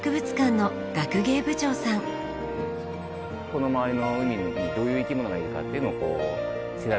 この周りの海にどういう生き物がいるかっていうのを調べたい。